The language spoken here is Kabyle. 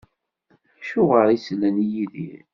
Acuɣer i sellen i Yidir?